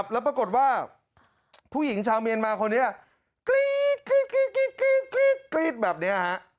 แล้วปรากฏว่าผู้หญิงชาวเมียนมาคนนี้กรี๊ดแบบนี้